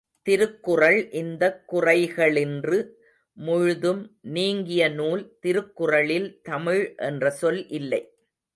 திருக்குறள் இந்தக் குறைகளின்று முழுதும் நீங்கிய நூல், திருக்குறளில் தமிழ் என்ற சொல் இல்லை.